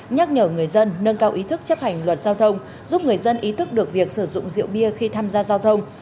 nhắc nhở người dân nâng cao ý thức chấp hành luật giao thông giúp người dân ý thức được việc sử dụng rượu bia khi tham gia giao thông